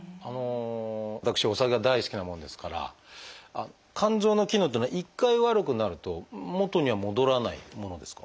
私お酒が大好きなもんですから肝臓の機能っていうのは一回悪くなると元には戻らないものですか？